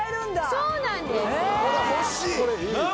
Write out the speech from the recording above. そうなんです！なぁ！